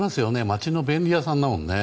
町の便利屋さんだもんね。